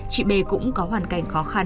chị b cũng có hoàn cảnh khó khăn